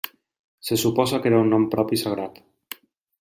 Se suposa que era un nom propi sagrat.